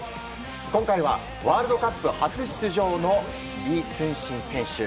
今回はワールドカップ初出場のリ・スンシン選手。